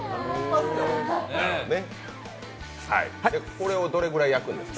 これをどれくらい焼くんですか？